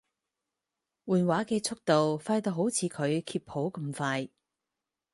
換畫嘅速度快到好似佢揭譜咁快